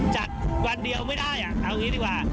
จัดวันเดียวไม่ได้เอาอย่างนี้ดีกว่า